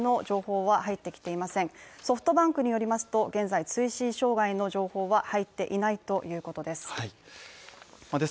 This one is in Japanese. ソフトバンクによりますと現在通信障害の情報は入っていないということです。